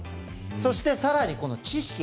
そして、さらに知識。